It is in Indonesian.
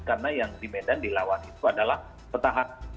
karena yang di medan dilawan itu adalah petahar